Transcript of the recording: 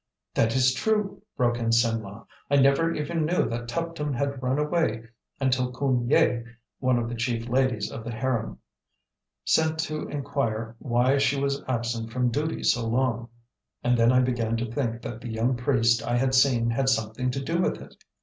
"That is true!" broke in Simlah; "I never even knew that Tuptim had run away until Khoon Yai (one of the chief ladies of the harem) sent to inquire why she was absent from duty so long, and then I began to think that the young priest I had seen had something to do with it.